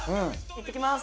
いってきます。